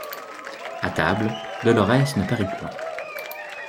A table, Dolorès ne parut point.